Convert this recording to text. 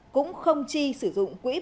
cũng không chi sử dụng quỹ biên tập